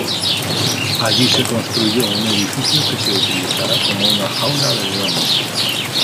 Allí se construyó un edificio que se utilizará como una jaula de leones.